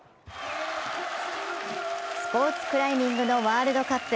スポーツクライミングのワールドカップ。